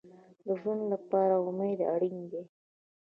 د ژوند لپاره امید اړین دی